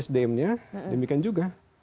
sdm nya demikian juga